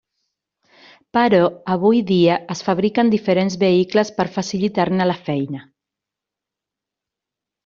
Però avui dia es fabriquen diferents vehicles per a facilitar-ne la feina.